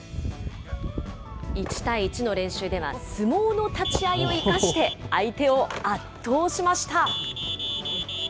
１対１の練習では、相撲の立ち合いを生かして相手を圧倒しました。